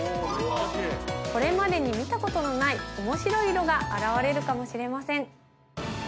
これまでに見たことのない面白い色があらわれるかもしれません。